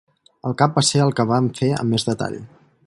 El cap va ser el que van fer amb més detall.